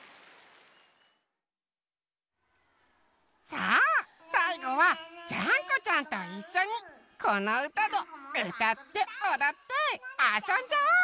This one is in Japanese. さあさいごはジャンコちゃんといっしょにこのうたをうたっておどってあそんじゃおう！